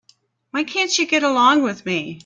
Why can't she get along with me?